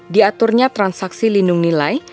diaturnya transaksi lindung nilai